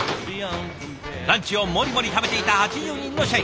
ランチをモリモリ食べていた８０人の社員。